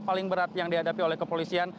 paling berat yang dihadapi oleh kepolisian